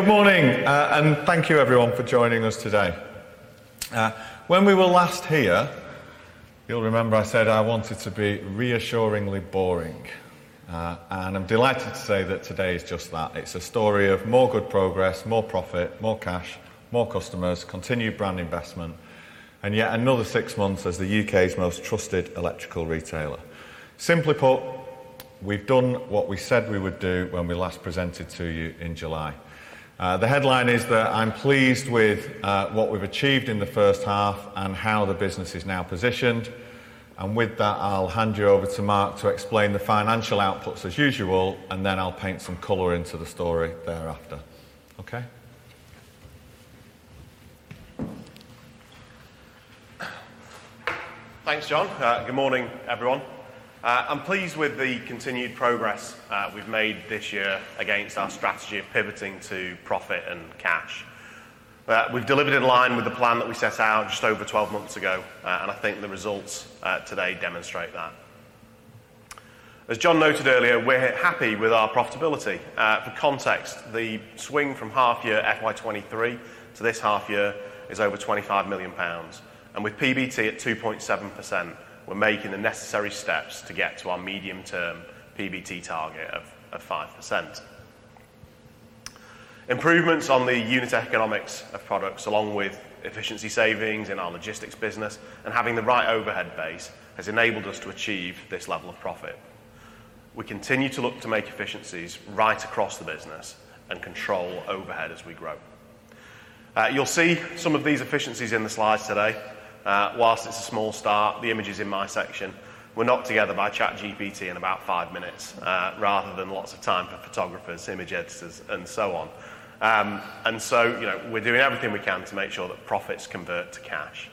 Good morning, and thank you everyone for joining us today. When we were last here, you'll remember I said I wanted to be reassuringly boring. And I'm delighted to say that today is just that. It's a story of more good progress, more profit, more cash, more customers, continued brand investment, and yet another six months as the U.K.'s most trusted electrical retailer. Simply put, we've done what we said we would do when we last presented to you in July. The headline is that I'm pleased with what we've achieved in the first half and how the business is now positioned, and with that, I'll hand you over to Mark to explain the financial outputs as usual, and then I'll paint some color into the story thereafter. Okay? Thanks, John. Good morning, everyone. I'm pleased with the continued progress we've made this year against our strategy of pivoting to profit and cash. We've delivered in line with the plan that we set out just over 12 months ago, and I think the results today demonstrate that. As John noted earlier, we're happy with our profitability. For context, the swing from half year FY 2023 to this half year is over 25 million pounds, and with PBT at 2.7%, we're making the necessary steps to get to our medium-term PBT target of 5%. Improvements on the unit economics of products, along with efficiency savings in our logistics business and having the right overhead base, has enabled us to achieve this level of profit. We continue to look to make efficiencies right across the business and control overhead as we grow. You'll see some of these efficiencies in the slides today. While it's a small start, the images in my section were knocked together by ChatGPT in about 5 minutes, rather than lots of time for photographers, image editors, and so on. And so, you know, we're doing everything we can to make sure that profits convert to cash.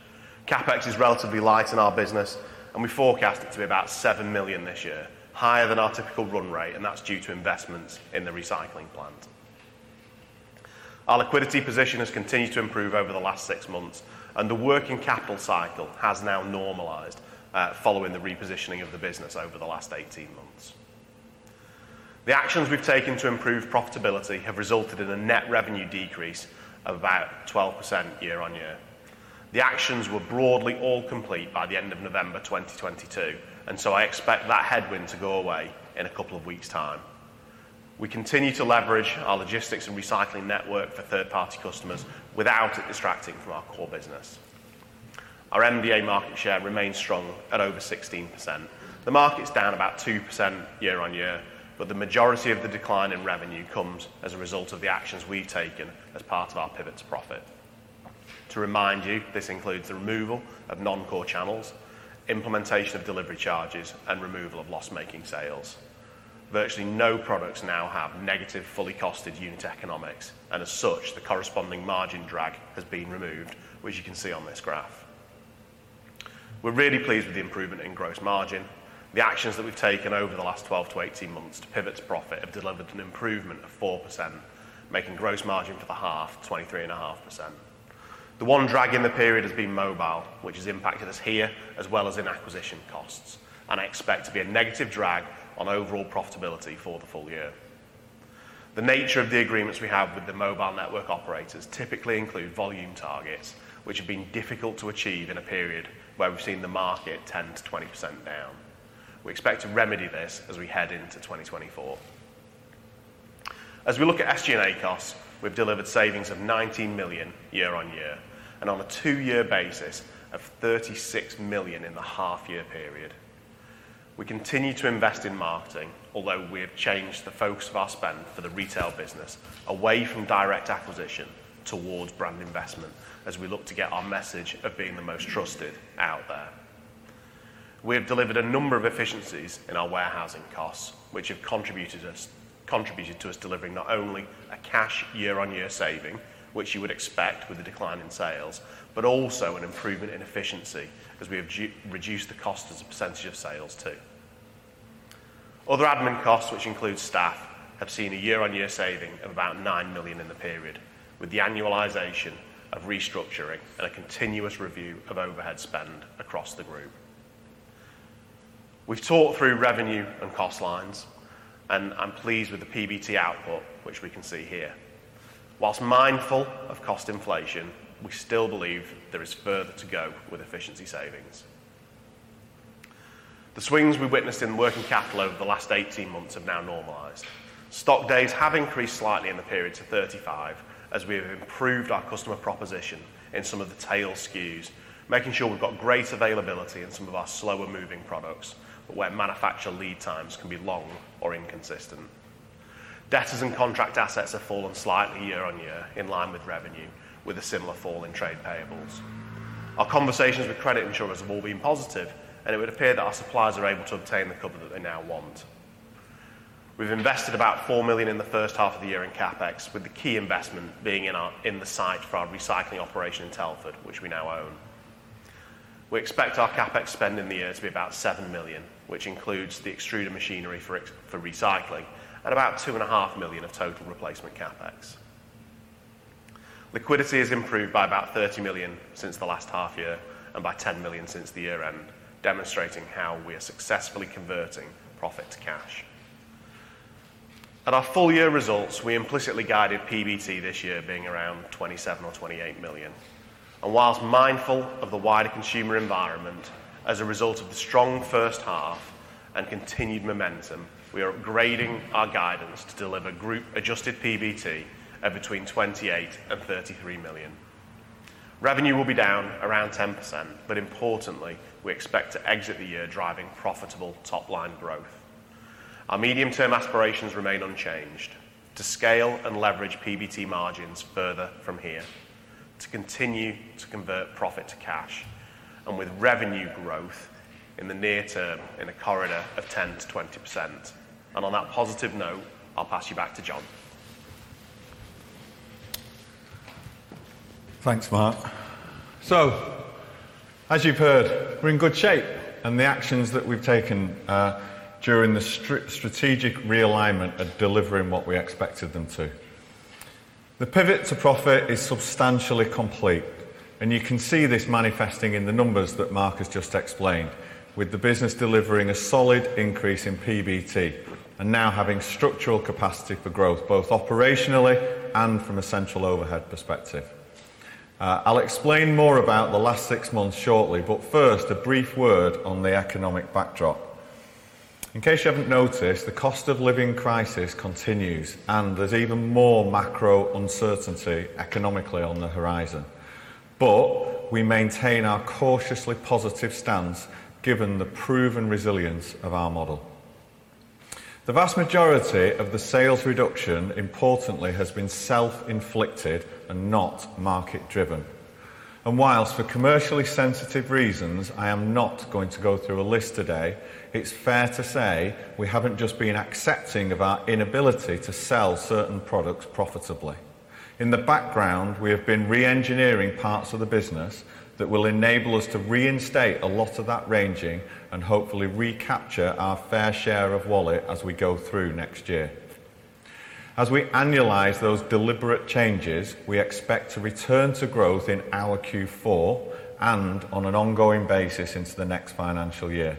CapEx is relatively light in our business, and we forecast it to be about 7 million this year, higher than our typical run rate, and that's due to investments in the recycling plant. Our liquidity position has continued to improve over the last six months, and the working capital cycle has now normalized, following the repositioning of the business over the last 18 months. The actions we've taken to improve profitability have resulted in a net revenue decrease of about 12% year-on-year. The actions were broadly all complete by the end of November 2022, and so I expect that headwind to go away in a couple of weeks' time. We continue to leverage our logistics and recycling network for third-party customers without it distracting from our core business. Our MDA market share remains strong at over 16%. The market's down about 2% year-on-year, but the majority of the decline in revenue comes as a result of the actions we've taken as part of our pivot to profit. To remind you, this includes the removal of non-core channels, implementation of delivery charges, and removal of loss-making sales. Virtually no products now have negative, fully costed unit economics, and as such, the corresponding margin drag has been removed, which you can see on this graph. We're really pleased with the improvement in gross margin. The actions that we've taken over the last 12-18 months to pivot to profit have delivered an improvement of 4%, making gross margin for the half, 23.5%. The one drag in the period has been mobile, which has impacted us here, as well as in acquisition costs, and I expect to be a negative drag on overall profitability for the full year. The nature of the agreements we have with the mobile network operators typically include volume targets, which have been difficult to achieve in a period where we've seen the market 10%-20% down. We expect to remedy this as we head into 2024. As we look at SG&A costs, we've delivered savings of 19 million year-on-year, and on a two-year basis of 36 million in the half year period. We continue to invest in marketing, although we have changed the focus of our spend for the retail business away from direct acquisition towards brand investment as we look to get our message of being the most trusted out there. We have delivered a number of efficiencies in our warehousing costs, which have contributed to us delivering not only a cash year-on-year saving, which you would expect with a decline in sales, but also an improvement in efficiency as we have reduced the cost as a percentage of sales, too. Other admin costs, which include staff, have seen a year-over-year saving of about 9 million in the period, with the annualization of restructuring and a continuous review of overhead spend across the group. We've talked through revenue and cost lines, and I'm pleased with the PBT output, which we can see here. While mindful of cost inflation, we still believe there is further to go with efficiency savings. The swings we've witnessed in working capital over the last 18 months have now normalized. Stock days have increased slightly in the period to 35, as we have improved our customer proposition in some of the tail SKUs, making sure we've got great availability in some of our slower-moving products, but where manufacturer lead times can be long or inconsistent. Debtors and contract assets have fallen slightly year-over-year in line with revenue, with a similar fall in trade payables. Our conversations with credit insurers have all been positive, and it would appear that our suppliers are able to obtain the cover that they now want. We've invested about 4 million in the first half of the year in CapEx, with the key investment being in the site for our recycling operation in Telford, which we now own. We expect our CapEx spend in the year to be about 7 million, which includes the extruder machinery for recycling at about 2.5 million of total replacement CapEx. Liquidity has improved by about 30 million since the last half year and by 10 million since the year end, demonstrating how we are successfully converting profit to cash. At our full year results, we implicitly guided PBT this year being around 27 million-28 million. While mindful of the wider consumer environment, as a result of the strong first half and continued momentum, we are upgrading our guidance to deliver group adjusted PBT at between 28 million and 33 million. Revenue will be down around 10%, but importantly, we expect to exit the year driving profitable top line growth. Our medium-term aspirations remain unchanged: to scale and leverage PBT margins further from here, to continue to convert profit to cash, and with revenue growth in the near term in a corridor of 10%-20%. On that positive note, I'll pass you back to John. Thanks, Mark. So, as you've heard, we're in good shape, and the actions that we've taken during the strategic realignment are delivering what we expected them to. The pivot to profit is substantially complete, and you can see this manifesting in the numbers that Mark has just explained, with the business delivering a solid increase in PBT and now having structural capacity for growth, both operationally and from a central overhead perspective. I'll explain more about the last six months shortly, but first, a brief word on the economic backdrop. In case you haven't noticed, the cost of living crisis continues, and there's even more macro uncertainty economically on the horizon. But we maintain our cautiously positive stance, given the proven resilience of our model. The vast majority of the sales reduction, importantly, has been self-inflicted and not market-driven. While, for commercially sensitive reasons, I am not going to go through a list today, it's fair to say we haven't just been accepting of our inability to sell certain products profitably. In the background, we have been reengineering parts of the business that will enable us to reinstate a lot of that ranging and hopefully recapture our fair share of wallet as we go through next year. As we annualize those deliberate changes, we expect to return to growth in our Q4 and on an ongoing basis into the next financial year.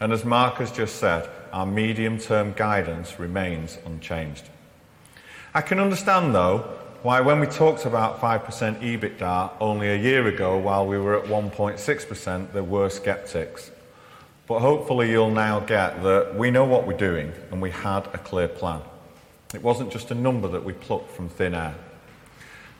As Mark has just said, our medium-term guidance remains unchanged. I can understand, though, why when we talked about 5% EBITDA only a year ago, while we were at 1.6%, there were skeptics. Hopefully, you'll now get that we know what we're doing and we had a clear plan. It wasn't just a number that we plucked from thin air.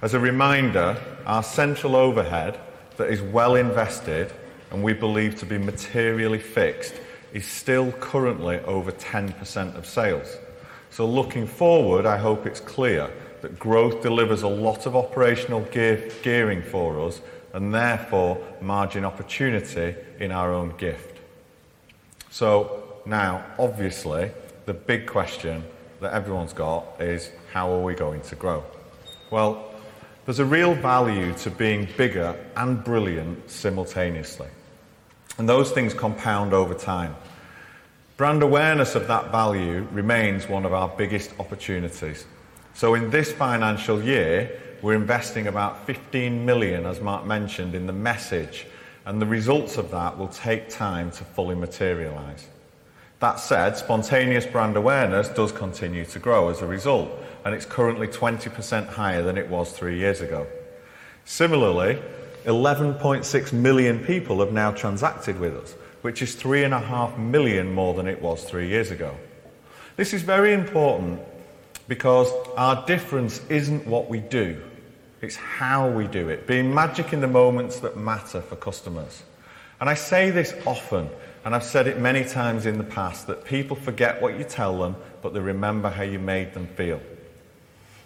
As a reminder, our central overhead, that is well invested and we believe to be materially fixed, is still currently over 10% of sales. So looking forward, I hope it's clear that growth delivers a lot of operational gear, gearing for us and therefore margin opportunity in our own gift. So now, obviously, the big question that everyone's got is: how are we going to grow? Well, there's a real value to being bigger and brilliant simultaneously, and those things compound over time. Brand awareness of that value remains one of our biggest opportunities. So in this financial year, we're investing about 15 million, as Mark mentioned, in the message, and the results of that will take time to fully materialize. That said, spontaneous brand awareness does continue to grow as a result, and it's currently 20% higher than it was three years ago. Similarly, 11.6 million people have now transacted with us, which is 3.5 million more than it was three years ago. This is very important because our difference isn't what we do, it's how we do it, being magic in the moments that matter for customers. I say this often, and I've said it many times in the past, that people forget what you tell them, but they remember how you made them feel.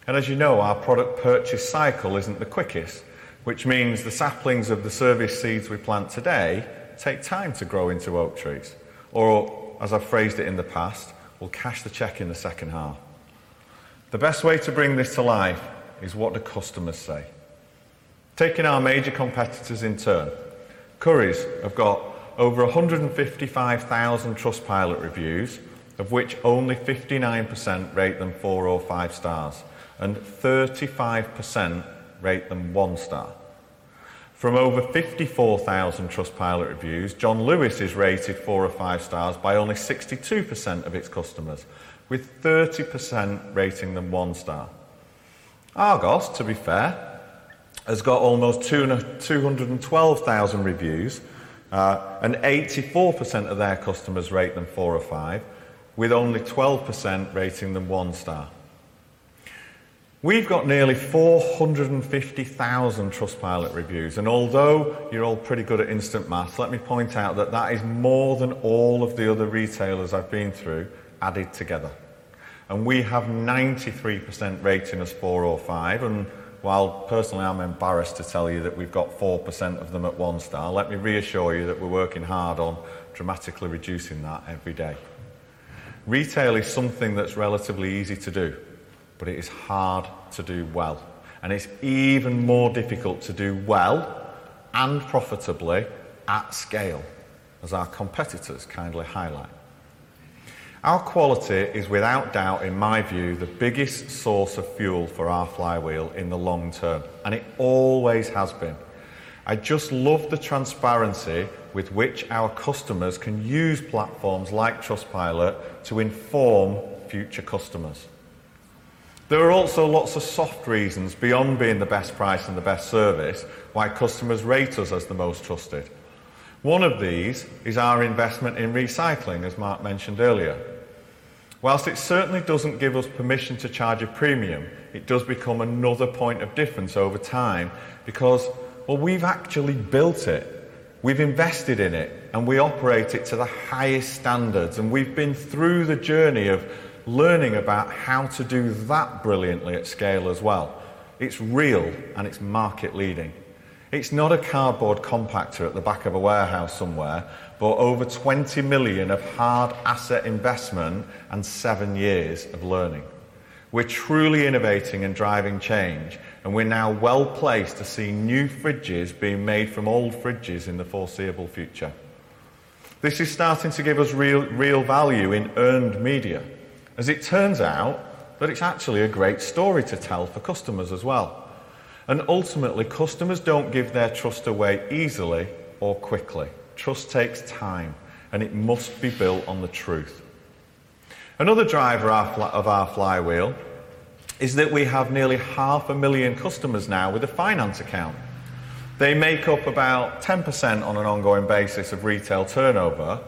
As you know, our product purchase cycle isn't the quickest, which means the saplings of the service seeds we plant today take time to grow into oak trees, or as I've phrased it in the past, we'll cash the check in the second half. The best way to bring this to life is what the customers say. Taking our major competitors in turn, Currys have got over 155,000 Trustpilot reviews, of which only 59% rate them four or five stars, and 35% rate them one star. From over 54,000 Trustpilot reviews, John Lewis is rated four or five stars by only 62% of its customers, with 30% rating them one star. Argos, to be fair, has got almost 212,000 reviews, and 84% of their customers rate them four or five, with only 12% rating them one star. We've got nearly 450,000 Trustpilot reviews, and although you're all pretty good at instant math, let me point out that that is more than all of the other retailers I've been through added together. We have 93% rating us four or five, and while personally, I'm embarrassed to tell you that we've got 4% of them at one star, let me reassure you that we're working hard on dramatically reducing that every day. Retail is something that's relatively easy to do, but it is hard to do well, and it's even more difficult to do well and profitably at scale, as our competitors kindly highlight. Our quality is without doubt, in my view, the biggest source of fuel for our flywheel in the long term, and it always has been. I just love the transparency with which our customers can use platforms like Trustpilot to inform future customers. There are also lots of soft reasons, beyond being the best price and the best service, why customers rate us as the most trusted. One of these is our investment in recycling, as Mark mentioned earlier. While it certainly doesn't give us permission to charge a premium, it does become another point of difference over time because, well, we've actually built it, we've invested in it, and we operate it to the highest standards, and we've been through the journey of learning about how to do that brilliantly at scale as well. It's real, and it's market leading. It's not a cardboard compactor at the back of a warehouse somewhere, but over 20 million of hard asset investment and seven years of learning. We're truly innovating and driving change, and we're now well-placed to see new fridges being made from old fridges in the foreseeable future. This is starting to give us real, real value in earned media, as it turns out, that it's actually a great story to tell for customers as well. Ultimately, customers don't give their trust away easily or quickly. Trust takes time, and it must be built on the truth. Another driver of our flywheel is that we have nearly 500,000 customers now with a finance account. They make up about 10% on an ongoing basis of retail turnover,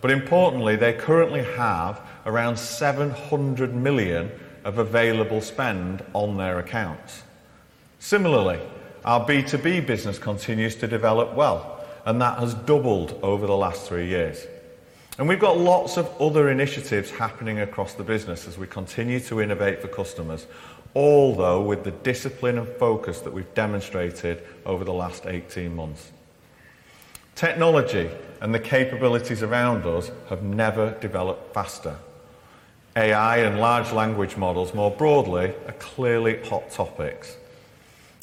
but importantly, they currently have around 700 million of available spend on their accounts. Similarly, our B2B business continues to develop well, and that has doubled over the last three years. We've got lots of other initiatives happening across the business as we continue to innovate for customers, although with the discipline and focus that we've demonstrated over the last 18 months. Technology and the capabilities around us have never developed faster. AI and large language models, more broadly, are clearly hot topics.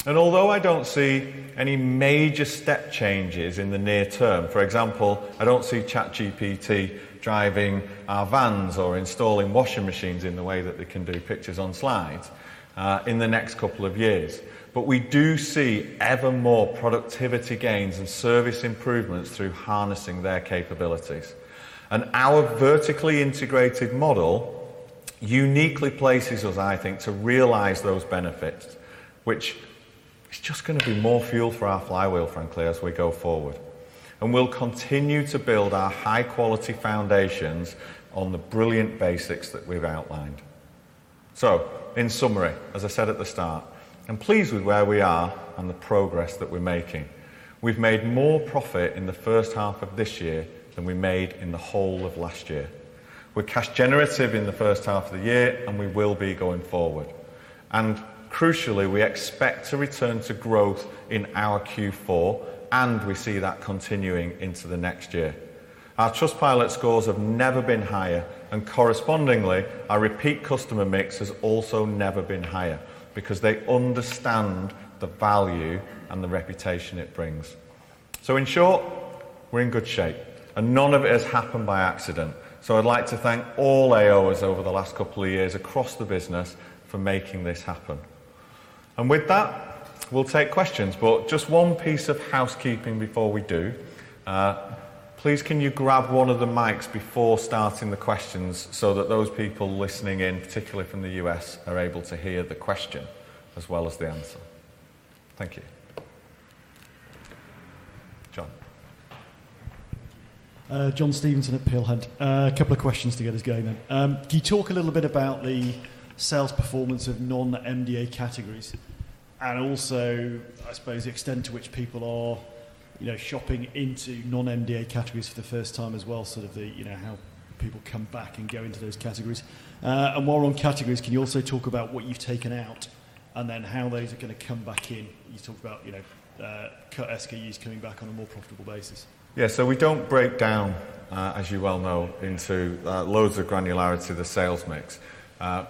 Although I don't see any major step changes in the near term, for example, I don't see ChatGPT driving our vans or installing washing machines in the way that they can do pictures on slides in the next couple of years. But we do see ever more productivity gains and service improvements through harnessing their capabilities. And our vertically integrated model uniquely places us, I think, to realize those benefits, which is just gonna be more fuel for our flywheel, frankly, as we go forward. And we'll continue to build our high-quality foundations on the brilliant basics that we've outlined. So in summary, as I said at the start, I'm pleased with where we are and the progress that we're making. We've made more profit in the first half of this year than we made in the whole of last year. We're cash generative in the first half of the year, and we will be going forward. And crucially, we expect to return to growth in our Q4, and we see that continuing into the next year. Our Trustpilot scores have never been higher, and correspondingly, our repeat customer mix has also never been higher because they understand the value and the reputation it brings. So in short, we're in good shape, and none of it has happened by accident. So I'd like to thank all AOs over the last couple of years across the business for making this happen. And with that, we'll take questions, but just one piece of housekeeping before we do. Please, can you grab one of the mics before starting the questions so that those people listening in, particularly from the U.S., are able to hear the question as well as the answer? Thank you. John. John Stevenson at Peel Hunt. A couple of questions to get us going, then. Can you talk a little bit about the sales performance of non-MDA categories? And also, I suppose, the extent to which people are, you know, shopping into non-MDA categories for the first time as well, sort of the, you know, how people come back and go into those categories. And more on categories, can you also talk about what you've taken out and then how those are gonna come back in? You talked about, you know, cut SKUs coming back on a more profitable basis. Yeah, so we don't break down, as you well know, into loads of granularity, the sales mix.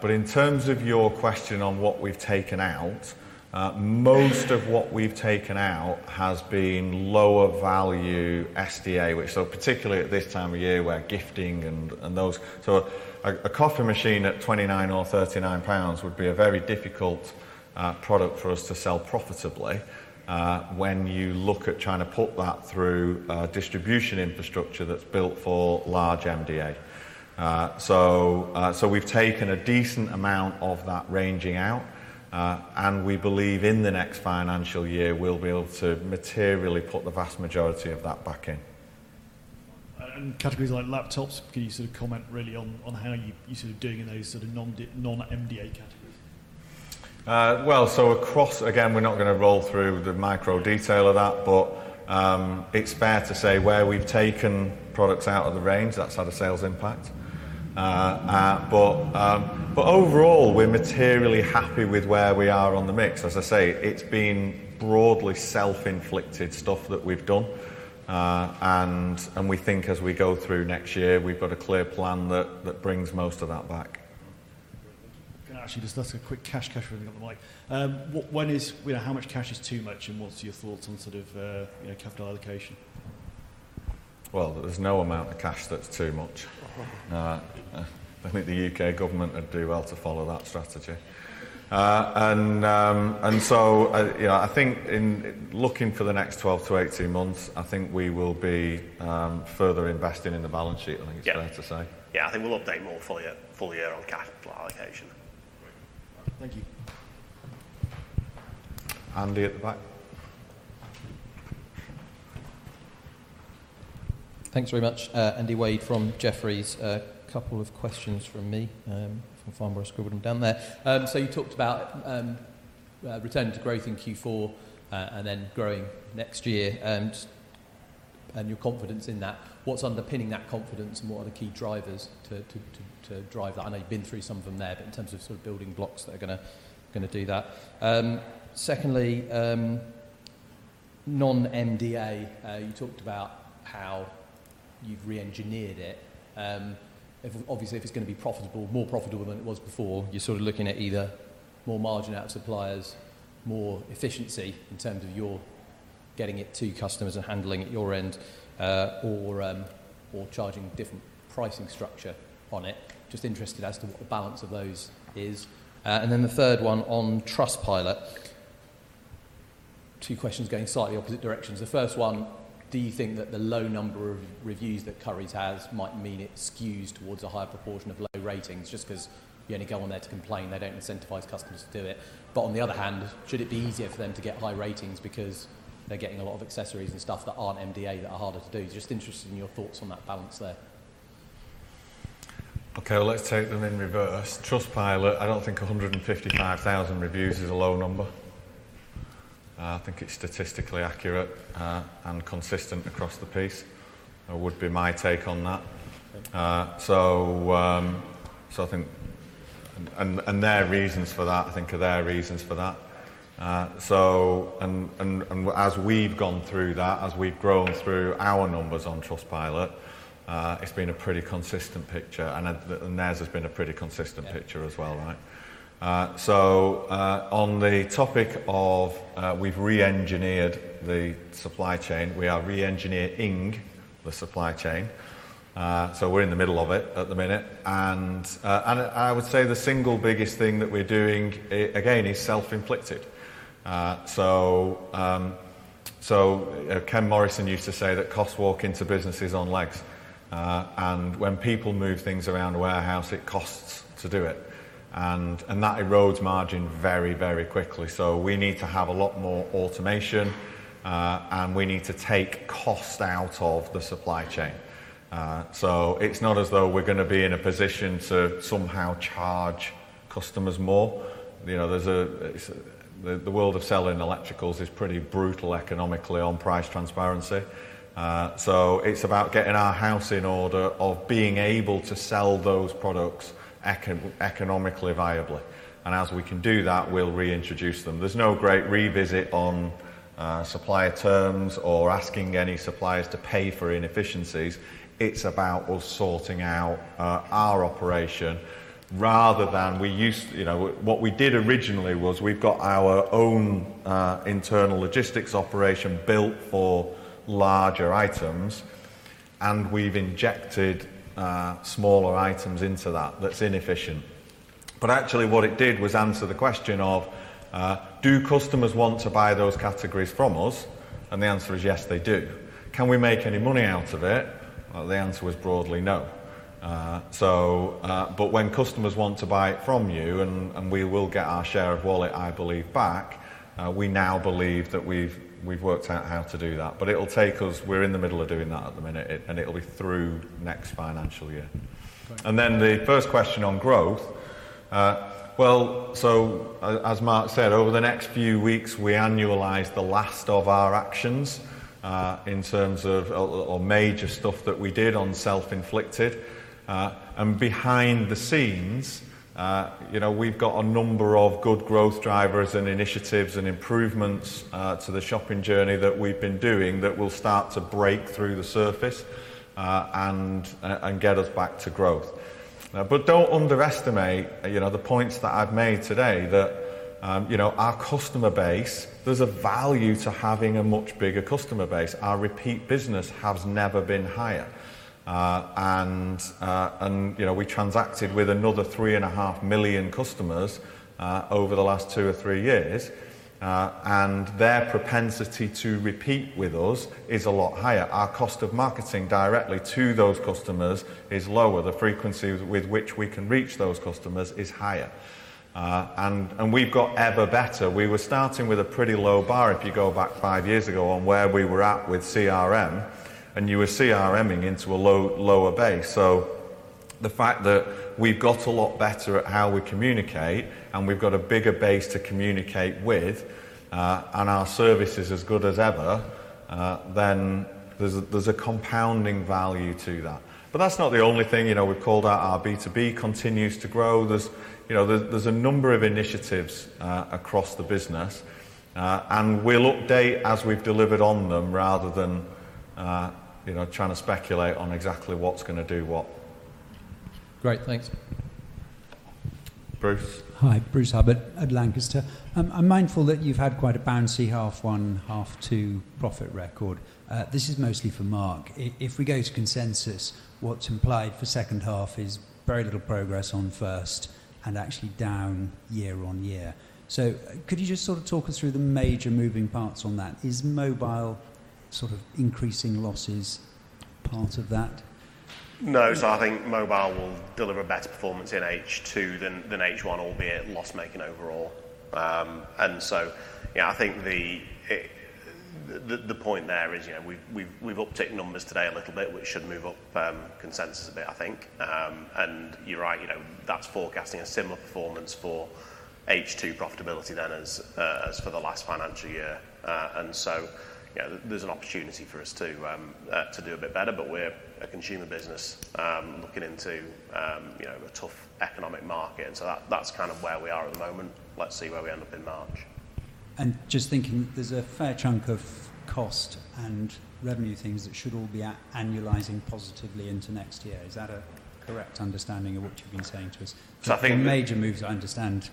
But in terms of your question on what we've taken out, most of what we've taken out has been lower value SDA, which so particularly at this time of year, where gifting and, and those. So a coffee machine at 29 or 39 pounds would be a very difficult product for us to sell profitably, when you look at trying to put that through a distribution infrastructure that's built for large MDA. So we've taken a decent amount of that ranging out, and we believe in the next financial year, we'll be able to materially put the vast majority of that back in. Categories like laptops, can you sort of comment really on how you're sort of doing in those sort of non-DA non-MDA categories? Well, so across, again, we're not gonna roll through the micro detail of that, but it's fair to say where we've taken products out of the range, that's had a sales impact. But overall, we're materially happy with where we are on the mix. As I say, it's been broadly self-inflicted stuff that we've done, and we think as we go through next year, we've got a clear plan that brings most of that back.... Can I actually just ask a quick cash question while I've got the mic? When is, you know, how much cash is too much, and what's your thoughts on sort of, you know, capital allocation? Well, there's no amount of cash that's too much. I think the UK government would do well to follow that strategy. You know, I think in looking for the next 12-18 months, I think we will be further investing in the balance sheet, I think it's fair to say. Yeah, I think we'll update more full year, full year on capital allocation. Thank you. Andy, at the back. Thanks very much. Andy Wade from Jefferies. A couple of questions from me, I found where I scribbled them down there. So you talked about returning to growth in Q4 and then growing next year and your confidence in that. What's underpinning that confidence and what are the key drivers to, to, to drive that? I know you've been through some of them there, but in terms of sort of building blocks that are gonna, gonna do that. Secondly, non-MDA, you talked about how you've reengineered it. If obviously, if it's going to be profitable, more profitable than it was before, you're sort of looking at either more margin out of suppliers, more efficiency in terms of your getting it to customers and handling at your end, or, or charging different pricing structure on it. Just interested as to what the balance of those is. And then the third one on Trustpilot. Two questions going slightly opposite directions. The first one, do you think that the low number of reviews that Currys has might mean it skews towards a higher proportion of low ratings just 'cause you only go on there to complain, they don't incentivize customers to do it? But on the other hand, should it be easier for them to get high ratings because they're getting a lot of accessories and stuff that aren't MDA that are harder to do? Just interested in your thoughts on that balance there. Okay, let's take them in reverse. Trustpilot, I don't think 155,000 reviews is a low number. I think it's statistically accurate, and consistent across the piece, would be my take on that. So, I think... And their reasons for that, I think, are their reasons for that. So, as we've gone through that, as we've grown through our numbers on Trustpilot, it's been a pretty consistent picture, and, theirs has been a pretty consistent picture as well, right? Yeah. So, on the topic of, we've reengineered the supply chain, we are re-engineering the supply chain. So we're in the middle of it at the minute, and, and I would say the single biggest thing that we're doing, again, is self-inflicted. So, so Ken Morrison used to say that, "Costs walk into businesses on legs," and when people move things around a warehouse, it costs to do it, and, and that erodes margin very, very quickly. So we need to have a lot more automation, and we need to take cost out of the supply chain. So it's not as though we're going to be in a position to somehow charge customers more. You know, there's the world of selling electricals is pretty brutal economically on price transparency, so it's about getting our house in order of being able to sell those products economically viably. And as we can do that, we'll reintroduce them. There's no great revisit on supplier terms or asking any suppliers to pay for inefficiencies. It's about us sorting out our operation rather than. You know, what we did originally was we've got our own internal logistics operation built for larger items, and we've injected smaller items into that. That's inefficient. But actually, what it did was answer the question of do customers want to buy those categories from us? And the answer is yes, they do. Can we make any money out of it? Well, the answer is broadly no. So, but when customers want to buy it from you, and we will get our share of wallet, I believe, back, we now believe that we've worked out how to do that. But it'll take us. We're in the middle of doing that at the minute, and it'll be through next financial year. Thank you. And then the first question on growth. Well, so as Mark said, over the next few weeks, we annualize the last of our actions in terms of, or major stuff that we did on self-inflicted. And behind the scenes, you know, we've got a number of good growth drivers and initiatives and improvements to the shopping journey that we've been doing that will start to break through the surface, and get us back to growth. But don't underestimate, you know, the points that I've made today, that you know, our customer base, there's a value to having a much bigger customer base. Our repeat business has never been higher. you know, we transacted with another 3.5 million customers over the last two or three years, and their propensity to repeat with us is a lot higher. Our cost of marketing directly to those customers is lower. The frequency with which we can reach those customers is higher, and we've got ever better. We were starting with a pretty low bar, if you go back five years ago, on where we were at with CRM, and you were CRMing into a low, lower base. So the fact that we've got a lot better at how we communicate, and we've got a bigger base to communicate with, and our service is as good as ever, then there's a compounding value to that. But that's not the only thing, you know, we've called out our B2B continues to grow. There's, you know, a number of initiatives across the business, and we'll update as we've delivered on them, rather than, you know, trying to speculate on exactly what's going to do what. Great. Thanks. Hi, Bruce Hubbard at Lancaster. I'm mindful that you've had quite a bouncy half one, half two profit record. This is mostly for Mark. If we go to consensus, what's implied for second half is very little progress on first and actually down year on year. So could you just sort of talk us through the major moving parts on that? Is mobile sort of increasing losses part of that? No. So I think mobile will deliver a better performance in H2 than H1, albeit loss-making overall. And so, yeah, I think the point there is, you know, we've upticked numbers today a little bit, which should move up consensus a bit, I think. And you're right, you know, that's forecasting a similar performance for H2 profitability than as for the last financial year. And so, you know, there's an opportunity for us to do a bit better, but we're a consumer business, looking into you know, a tough economic market. And so that, that's kind of where we are at the moment. Let's see where we end up in March. And just thinking, there's a fair chunk of cost and revenue things that should all be annualizing positively into next year. Is that a correct understanding of what you've been saying to us? So I think. The major moves, I understand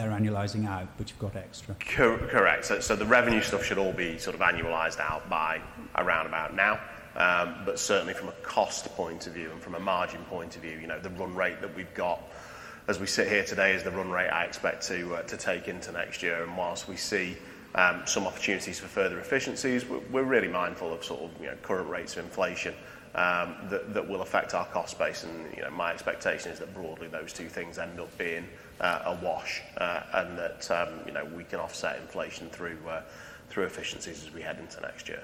they're annualizing out, but you've got extra. Correct. So, so the revenue stuff should all be sort of annualized out by around about now. But certainly from a cost point of view and from a margin point of view, you know, the run rate that we've got as we sit here today is the run rate I expect to, to take into next year. And whilst we see some opportunities for further efficiencies, we're, we're really mindful of sort of, you know, current rates of inflation, that, that will affect our cost base. And, you know, my expectation is that broadly, those two things end up being a wash, and that, you know, we can offset inflation through, through efficiencies as we head into next year.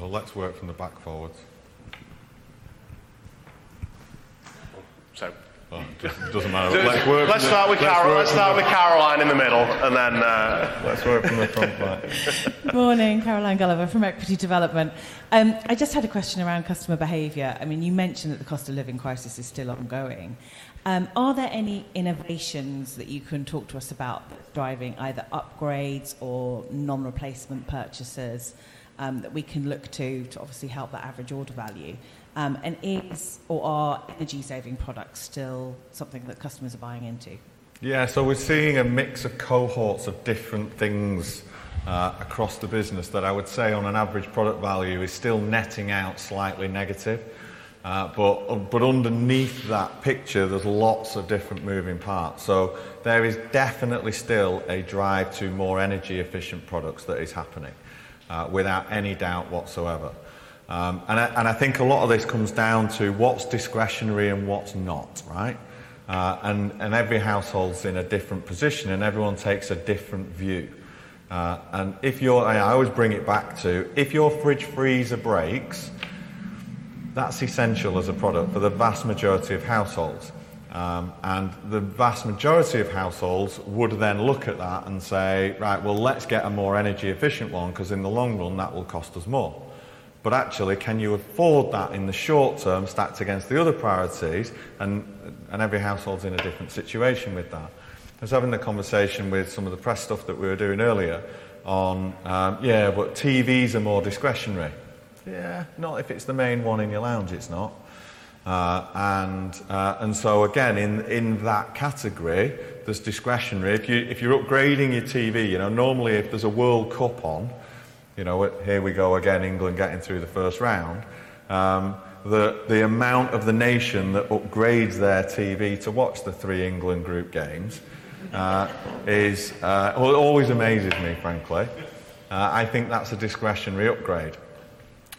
Let's work from the back forwards. So. Doesn't matter. Let's work. Let's start with Caroline. Let's start with Caroline in the middle, and then. Let's work from the front back. Morning, Caroline Gulliver from Equity Development. I just had a question around customer behavior. I mean, you mentioned that the cost of living crisis is still ongoing. Are there any innovations that you can talk to us about driving either upgrades or non-replacement purchases, that we can look to, to obviously help the average order value? And is or are energy-saving products still something that customers are buying into? Yeah, so we're seeing a mix of cohorts of different things across the business that I would say on an average product value is still netting out slightly negative. But, but underneath that picture, there's lots of different moving parts. So there is definitely still a drive to more energy-efficient products that is happening without any doubt whatsoever. And I, and I think a lot of this comes down to what's discretionary and what's not, right? And, and every household's in a different position, and everyone takes a different view. And if your. I, I always bring it back to, if your fridge freezer breaks, that's essential as a product for the vast majority of households. and the vast majority of households would then look at that and say, "Right, well, let's get a more energy efficient one, 'cause in the long run, that will cost us more." But actually, can you afford that in the short term, stacked against the other priorities? And every household's in a different situation with that. I was having a conversation with some of the press stuff that we were doing earlier on, yeah, but TVs are more discretionary. Yeah, not if it's the main one in your lounge, it's not. and so again, in that category, there's discretionary. If you, if you're upgrading your TV, you know, normally if there's a World Cup on, you know, here we go again, England getting through the first round, the amount of the nation that upgrades their TV to watch the three England group games, is... well, it always amazes me, frankly. I think that's a discretionary upgrade.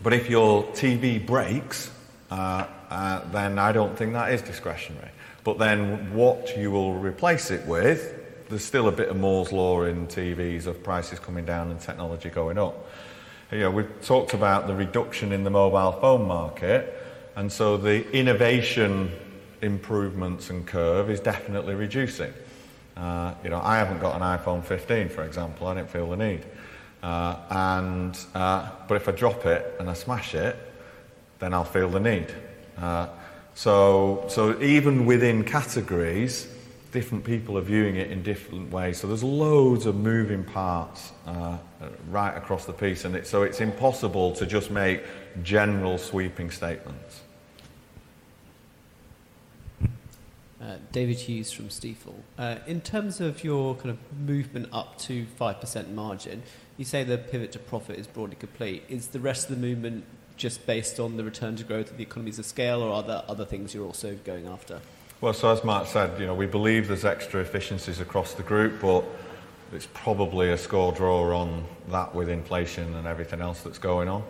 But if your TV breaks, then I don't think that is discretionary. But then what you will replace it with, there's still a bit of Moore's Law in TVs, of prices coming down and technology going up. You know, we've talked about the reduction in the mobile phone market, and so the innovation improvements and curve is definitely reducing. You know, I haven't got an iPhone 15, for example. I don't feel the need. But if I drop it and I smash it, then I'll feel the need. So even within categories, different people are viewing it in different ways. So there's loads of moving parts right across the piece, and so it's impossible to just make general, sweeping statements. David Hughes from Stifel. In terms of your kind of movement up to 5% margin, you say the pivot to profit is broadly complete. Is the rest of the movement just based on the return to growth of the economies of scale, or are there other things you're also going after? Well, so as Mark said, you know, we believe there's extra efficiencies across the group, but it's probably a score draw on that with inflation and everything else that's going on.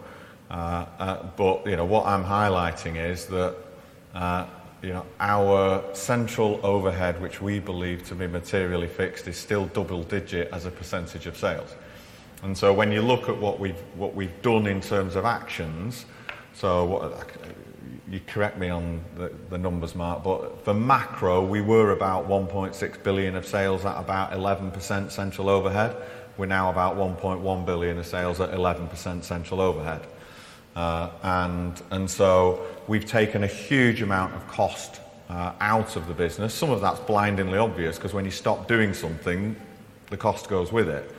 But, you know, what I'm highlighting is that, you know, our central overhead, which we believe to be materially fixed, is still double digit as a percentage of sales. And so when you look at what we've, what we've done in terms of actions, so what... You correct me on the, the numbers, Mark, but for macro, we were about 1.6 billion of sales at about 11% central overhead. We're now about 1.1 billion of sales at 11% central overhead. And, and so we've taken a huge amount of cost, out of the business. Some of that's blindingly obvious, 'cause when you stop doing something-... The cost goes with it.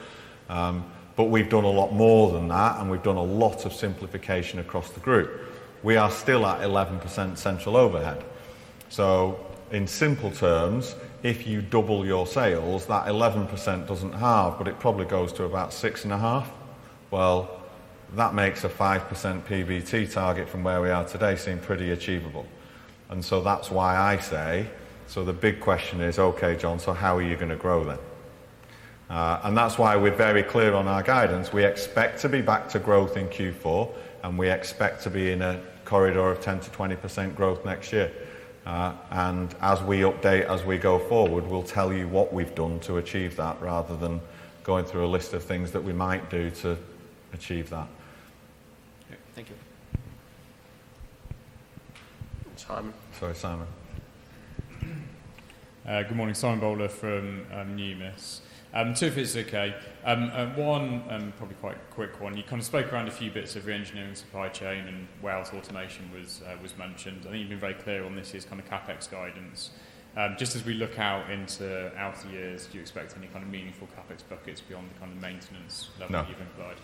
But we've done a lot more than that, and we've done a lot of simplification across the group. We are still at 11% central overhead. So in simple terms, if you double your sales, that 11% doesn't halve, but it probably goes to about 6.5%. Well, that makes a 5% PBT target from where we are today seem pretty achievable. And so that's why I say, so the big question is, "Okay, John, so how are you gonna grow then?" And that's why we're very clear on our guidance. We expect to be back to growth in Q4, and we expect to be in a corridor of 10%-20% growth next year. As we update, as we go forward, we'll tell you what we've done to achieve that, rather than going through a list of things that we might do to achieve that. Thank you. Simon. Sorry, Simon. Good morning. Simon Bowler from Numis. Two, if it's okay. One, probably quite quick one. You kind of spoke around a few bits of reengineering supply chain, and whilst automation was mentioned. I think you've been very clear on this, is kind of CapEx guidance. Just as we look out into outer years, do you expect any kind of meaningful CapEx buckets beyond the kind of maintenance. No. Level you've implied?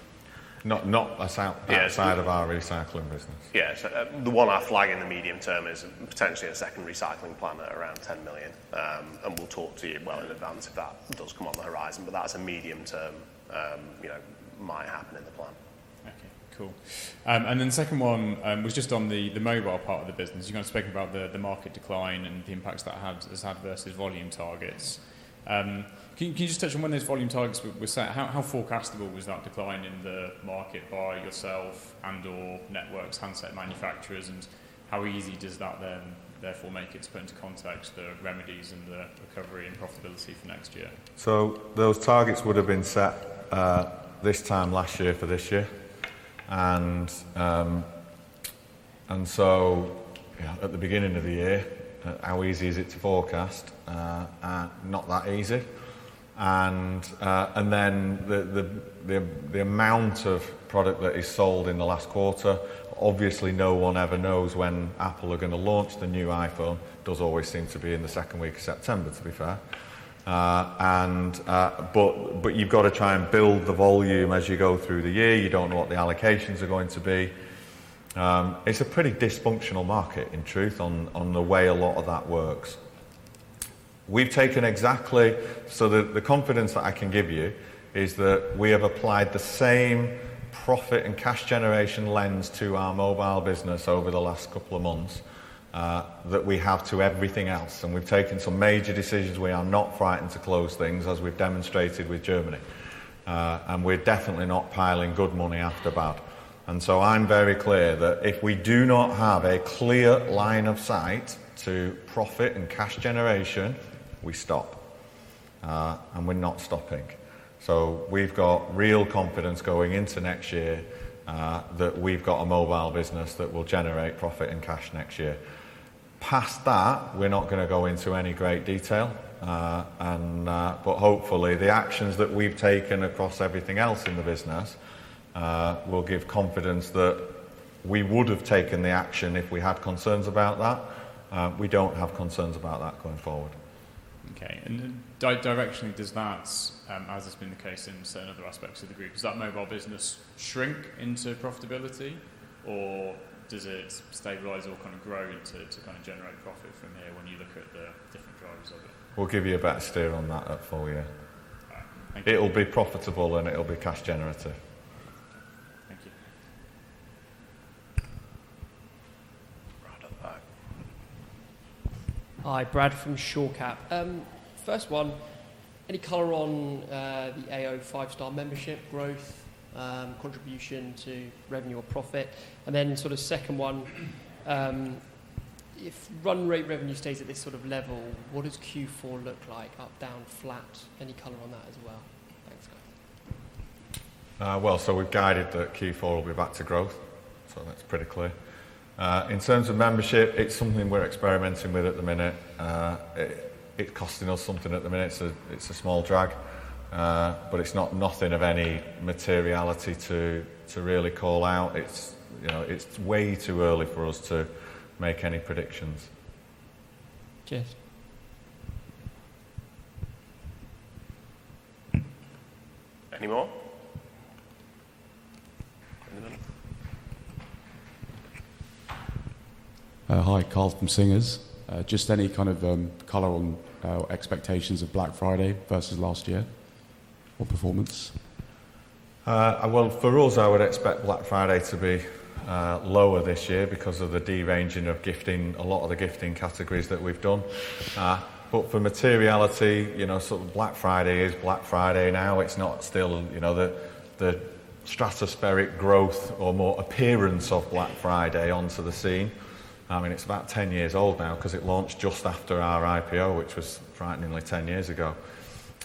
Not less out. Yeah Outside of our recycling business. Yeah. So, the one I flag in the medium term is potentially a second recycling plant at around 10 million. And we'll talk to you well in advance if that does come on the horizon, but that's a medium-term, you know, might happen in the plan. Okay, cool. And then second one was just on the mobile part of the business. You kind of spoke about the market decline and the impacts that has had versus volume targets. Can you just touch on when those volume targets were set? How forecastable was that decline in the market by yourself and/or networks, handset manufacturers, and how easy does that then therefore make it to put into context the remedies and the recovery and profitability for next year? So those targets would have been set this time last year for this year. And so, yeah, at the beginning of the year, how easy is it to forecast? Not that easy. And then, the amount of product that is sold in the last quarter, obviously, no one ever knows when Apple are gonna launch the new iPhone. It does always seem to be in the second week of September, to be fair. But you've got to try and build the volume as you go through the year. You don't know what the allocations are going to be. It's a pretty dysfunctional market, in truth, on the way a lot of that works. We've taken exactly, so the confidence that I can give you is that we have applied the same profit and cash generation lens to our mobile business over the last couple of months that we have to everything else, and we've taken some major decisions. We are not frightened to close things, as we've demonstrated with Germany. And we're definitely not piling good money after bad. And so I'm very clear that if we do not have a clear line of sight to profit and cash generation, we stop, and we're not stopping. So we've got real confidence going into next year that we've got a mobile business that will generate profit and cash next year. Past that, we're not gonna go into any great detail, and, but hopefully, the actions that we've taken across everything else in the business will give confidence that we would have taken the action if we had concerns about that. We don't have concerns about that going forward. Okay, and then directionally, does that, as has been the case in certain other aspects of the group, does that mobile business shrink into profitability, or does it stabilize or kind of grow into to kind of generate profit from here when you look at the different drivers of it? We'll give you a better steer on that at full year. All right. Thank you. It'll be profitable, and it'll be cash generative. Thank you. Brad at the back. Hi, Brad from Shore Cap. First one, any color on the AO Five Star membership growth, contribution to revenue or profit? And then sort of second one, if run rate revenue stays at this sort of level, what does Q4 look like, up, down, flat? Any color on that as well? Thanks, guys. Well, so we've guided that Q4 will be back to growth, so that's pretty clear. In terms of membership, it's something we're experimenting with at the minute. It costing us something at the minute. So it's a small drag, but it's not nothing of any materiality to really call out. It's, you know, it's way too early for us to make any predictions. Cheers. Any more? No. Hi, Carl from Singer. Just any kind of color on expectations of Black Friday versus last year or performance? Well, for us, I would expect Black Friday to be lower this year because of the de-ranging of gifting, a lot of the gifting categories that we've done. But for materiality, you know, sort of Black Friday is Black Friday now. It's not still, you know, the stratospheric growth or more appearance of Black Friday onto the scene. I mean, it's about 10 years old now 'cause it launched just after our IPO, which was frighteningly 10 years ago.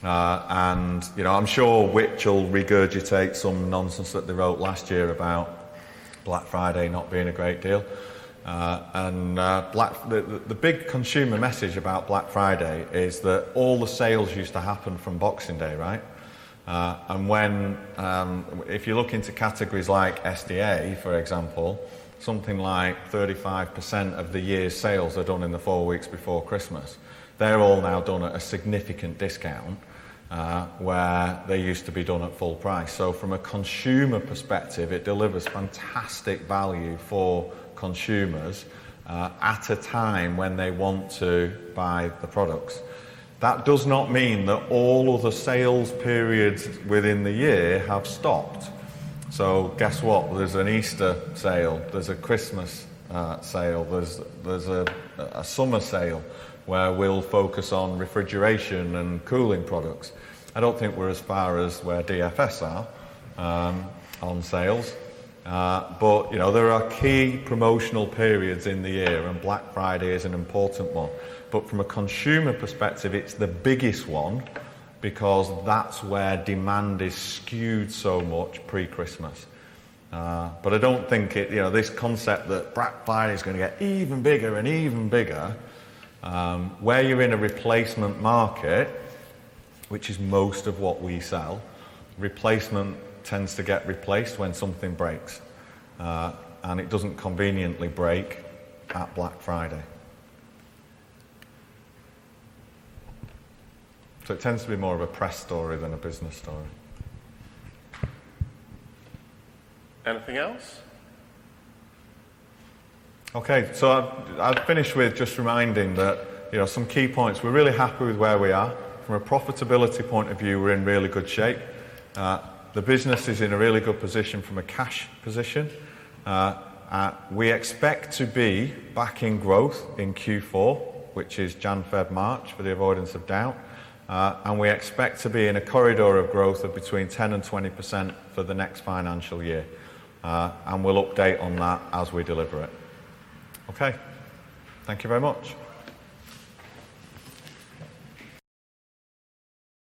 And, you know, I'm sure Which? will regurgitate some nonsense that they wrote last year about Black Friday not being a great deal. And the big consumer message about Black Friday is that all the sales used to happen from Boxing Day, right? And when, if you look into categories like SDA, for example, something like 35% of the year's sales are done in the four weeks before Christmas. They're all now done at a significant discount, where they used to be done at full price. So from a consumer perspective, it delivers fantastic value for consumers, at a time when they want to buy the products. That does not mean that all of the sales periods within the year have stopped. So guess what? There's an Easter sale, there's a Christmas sale, there's a summer sale, where we'll focus on refrigeration and cooling products. I don't think we're as far as where DFS are, on sales. But, you know, there are key promotional periods in the year, and Black Friday is an important one. From a consumer perspective, it's the biggest one, because that's where demand is skewed so much pre-Christmas. I don't think it, you know, this concept that Black Friday is gonna get even bigger and even bigger, where you're in a replacement market, which is most of what we sell, replacement tends to get replaced when something breaks, and it doesn't conveniently break at Black Friday. It tends to be more of a press story than a business story. Anything else? Okay, I'll finish with just reminding that, you know, some key points. We're really happy with where we are. From a profitability point of view, we're in really good shape. The business is in a really good position from a cash position. We expect to be back in growth in Q4, which is January, February, March, for the avoidance of doubt, and we expect to be in a corridor of growth of between 10% and 20% for the next financial year. We'll update on that as we deliver it. Okay. Thank you very much.